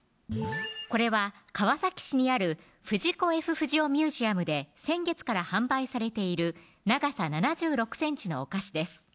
これは川崎市にある藤子・Ｆ・不二雄ミュージアムで先月から販売されている長さ７６ｃｍのお菓子です